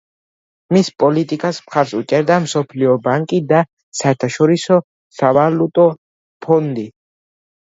მის პოლიტიკას მხარს უჭერდა მსოფლიო ბანკი და საერთაშორისო სავალუტო ფონდი.